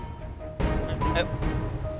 silakan ibu pergi dari sini